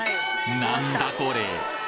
なんだこれ？